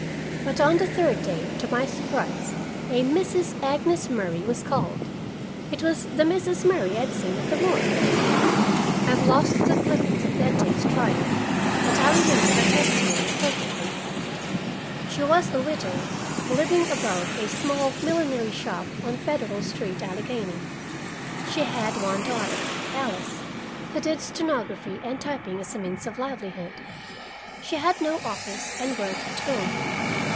But on the third day, to my surprise, a Mrs. Agnes Murray was called. It was the Mrs. Murray I had seen at the morgue. I have lost the clipping of that day's trial, but I remember her testimony perfectly. She was a widow, living above a small millinery shop on Federal Street, Allegheny. She had one daughter, Alice, who did stenography and typing as a means of livelihood. She had no office, and worked at home.